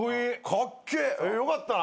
かっけえよかったな。